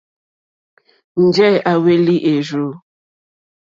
Njɛ̂ à hwélí èrzù.